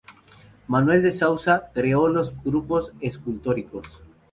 Manuel de Sousa creó los grupos escultóricos.